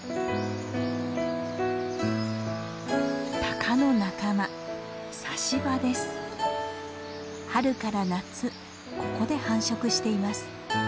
タカの仲間春から夏ここで繁殖しています。